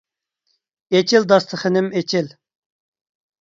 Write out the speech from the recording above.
ئېچىل داستىخىنىم ئېچىل!